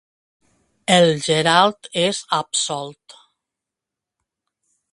El Gerald és absolt.